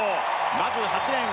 まず８レーン